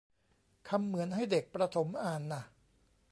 คำเหมือนให้เด็กประถมอ่านน่ะ